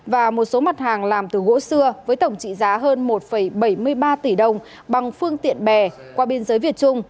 và một số mặt hàng làm từ gỗ xưa với tổng trị giá hơn một bảy mươi ba tỷ đồng bằng phương tiện bè qua biên giới việt trung